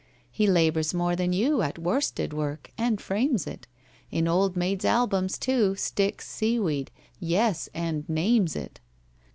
"He labours more than you At worsted work, and frames it; In old maids' albums, too, Sticks seaweed—yes, and names it!"